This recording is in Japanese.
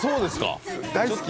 大好き。